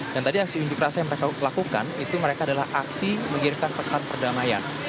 dan tadi aksi di masa yang mereka lakukan itu mereka adalah aksi mengirikan pesan perdamaian